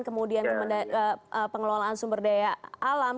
kemudian pengelolaan sumber daya alam